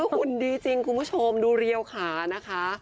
หุ่นดีจริงคุณผู้ชมดูเรียวขานะคะ